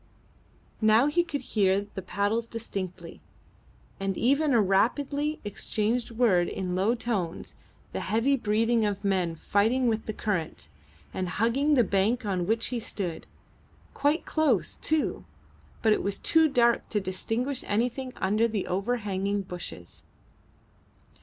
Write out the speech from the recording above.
Now he could hear the paddles distinctly, and even a rapidly exchanged word in low tones, the heavy breathing of men fighting with the current, and hugging the bank on which he stood. Quite close, too, but it was too dark to distinguish anything under the overhanging bushes.